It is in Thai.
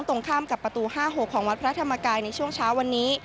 ตรงข้ามกับประตู๕๖ของวัดพระธรรมกายในช่วงเช้าวันนี้